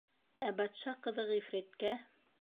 Ә батша ҡыҙы ғифриткә: